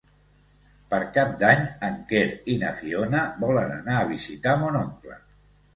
Per Cap d'Any en Quer i na Fiona volen anar a visitar mon oncle.